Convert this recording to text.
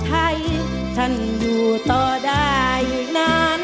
คนไทยรักชาและศาสนาชาติองเจ้าภูทรงเพียงเหนือนาวุ่น